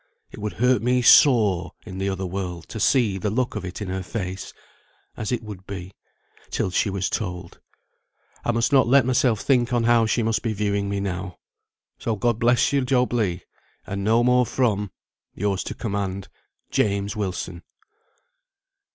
It would hurt me sore in the other world to see the look of it in her face, as it would be, till she was told. I must not let myself think on how she must be viewing me now. So God bless you, Job Legh; and no more from Yours to command, JAMES WILSON.